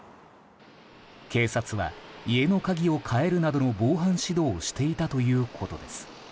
警察は家の鍵を変えるなどの防犯指導をしていたということです。